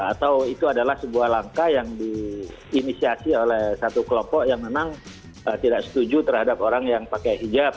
atau itu adalah sebuah langkah yang diinisiasi oleh satu kelompok yang memang tidak setuju terhadap orang yang pakai hijab